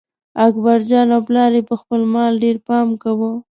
اکبرجان او پلار یې په خپل مال ډېر پام کاوه.